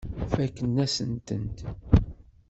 Fakkent-asen-tent.